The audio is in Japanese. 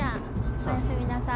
おやすみなさい。